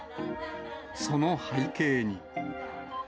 その背景に。